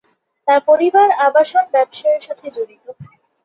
তার পরিবার আবাসন ব্যবসায়ের সাথে জড়িত।